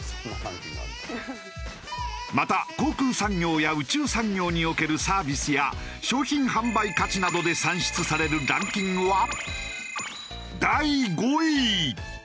また航空産業や宇宙産業におけるサービスや商品販売価値などで算出されるランキングは第５位。